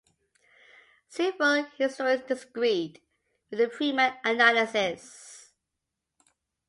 Several historians disagreed with the Freeman analysis.